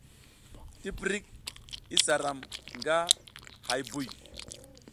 Tiprik isa ram nga hay buy.